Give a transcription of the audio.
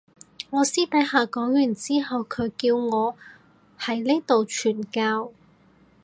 我私底下講完之後佢叫我喺呢度傳教